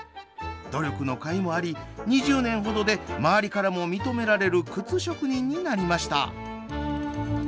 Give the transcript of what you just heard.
努力の甲斐もあり２０年ほどで周りからも認められる靴職人になりました。